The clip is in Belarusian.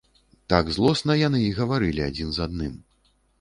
Так злосна яны і гаварылі адзін з адным.